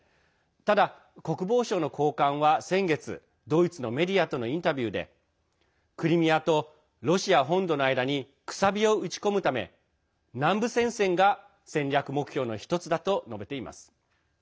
ただ、国防省の高官は先月ドイツのメディアとのインタビューでクリミアとロシア本土の間にくさびを打ち込むため南部戦線が戦略目標のひとつだと述べています。